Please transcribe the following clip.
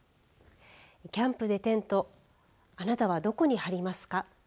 キャンプでテントあなたはどこに張りますか。